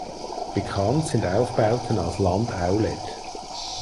Bekannt sind Aufbauten als Landaulet.